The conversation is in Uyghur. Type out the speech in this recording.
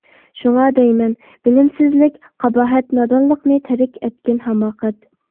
شۇڭا دەيمەن بىلىمسىزلىك قاباھەت، نادانلىقنى تەرك ئەتكىن ھاماقەت.